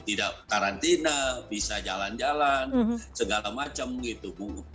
tidak karantina bisa jalan jalan segala macam gitu